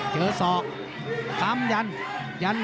เจอสอกทำจัน